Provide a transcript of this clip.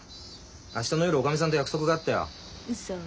明日の夜おかみさんと約束があったよ。